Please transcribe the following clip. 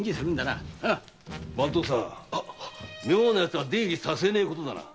番頭さん妙なヤツは出入りさせねぇ事だ。